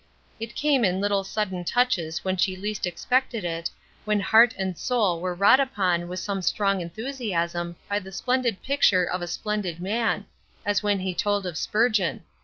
It came in little sudden touches when she least expected it, when heart and soul were wrought upon with some strong enthusiasm by the splendid picture of a splendid man as when he told of Spurgeon.